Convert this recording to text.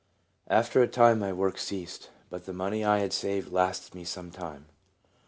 After a time my work ceased, but the money I had saved lasted me some time.